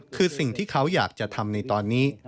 คือสิ่งที่เขาอยากจะทำในตอนนี้